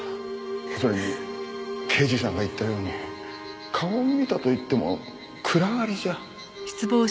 それに刑事さんが言ったように顔を見たといっても暗がりじゃ。